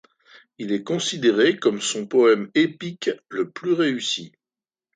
Il est considéré comme son poème épique le plus réussi.